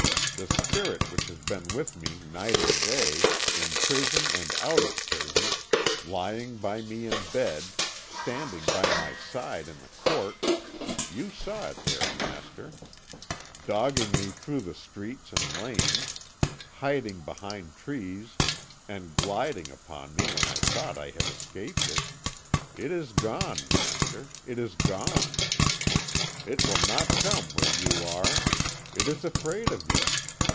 The spirit which has been with me night and day, in prison and out of prison, lying by me in bed, standing by my side in the court you saw it there, master dogging me through the streets and lanes, hiding behind trees and gliding upon me when I thought I had escaped it it is gone, master, it is gone! It will not come where you are. It is afraid of you.